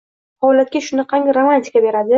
holatga shunaqangi romantika beradi.